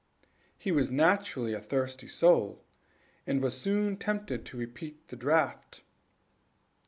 He was naturally a thirsty soul, and was soon tempted to repeat the draught.